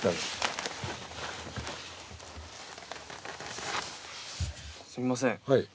すみません。